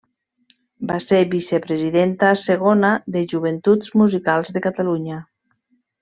Va ser vicepresidenta segona de Joventuts Musicals de Catalunya.